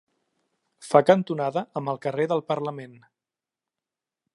Fa cantonada amb el carrer del Parlament.